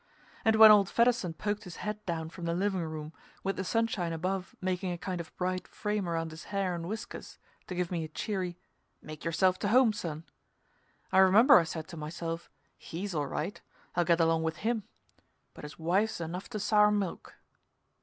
And when old Fedderson poked his head down from the living room with the sunshine above making a kind of bright frame around his hair and whiskers, to give me a cheery, "Make yourself to home, son!" I remember I said to myself: "He's all right. I'll get along with him. But his wife's enough to sour milk."